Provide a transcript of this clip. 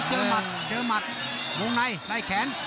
เจอหมัดวงในด้ายแขน